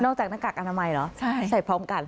จากหน้ากากอนามัยเหรอใส่พร้อมกัน